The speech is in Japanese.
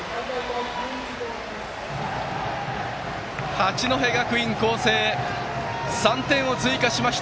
八戸学院光星、３点追加しました